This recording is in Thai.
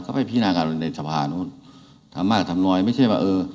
เขาไปพินากันในสภานู้นทำมากทำน้อยไม่ใช่ว่าเออ